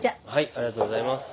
ありがとうございます。